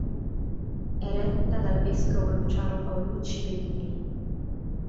È retta dal vescovo Luciano Paolucci Bedini.